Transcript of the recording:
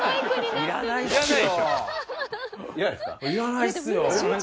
いらないですよ。